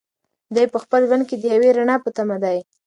دی په خپل ژوند کې د یوې رڼا په تمه دی.